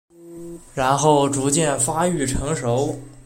然后逐渐发育成熟。